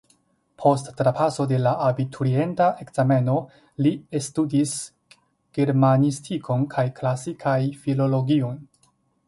Post trapaso de la abiturienta ekzameno li studis germanistikon kaj klasikaj filologion.